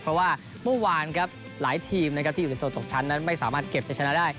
เพราะว่าเมื่อวานครับหลายทีมนะครับที่อยู่ในโซนตกชั้นนั้นไม่สามารถเก็บจะชนะได้